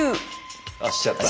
あしちゃった。